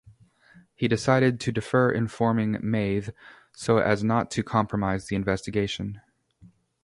He decided to defer informing Mathe, so as not to compromise the investigation.